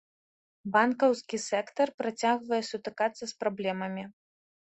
Банкаўскі сектар працягвае сутыкацца з праблемамі.